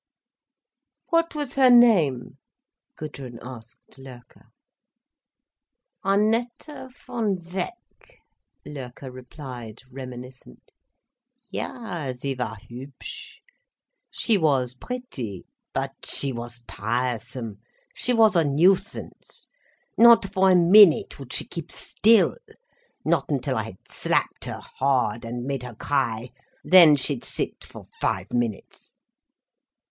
"What was her name?" Gudrun asked Loerke. "Annette von Weck," Loerke replied reminiscent. "Ja, sie war hübsch. She was pretty—but she was tiresome. She was a nuisance,—not for a minute would she keep still—not until I'd slapped her hard and made her cry—then she'd sit for five minutes."